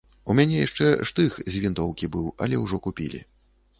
У мяне яшчэ штых з вінтоўкі быў, але ўжо купілі.